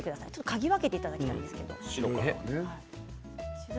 嗅ぎ分けていただきたいんですけど。